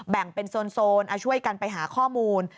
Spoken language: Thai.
แบ่งเป็นโซนช่วยกันไปหาข้อมูล